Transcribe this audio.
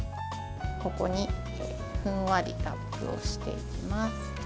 ここにふんわり、ラップをしていきます。